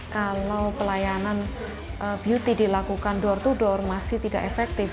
kalau pelayanan beauty dilakukan door to door masih tidak efektif